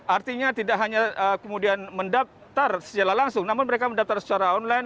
artinya tidak hanya kemudian mendaftar secara langsung namun mereka mendaftar secara online